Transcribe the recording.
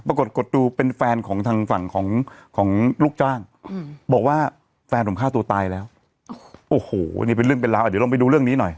ปรากฏกดดูเป็นแฟนของทางฝั่งของของลูกจ้างบอกว่าแฟนผมฆ่าตัวตายแล้วโอ้โหนี่เป็นเรื่องเป็นราวอ่ะเดี๋ยวลองไปดูเรื่องนี้หน่อย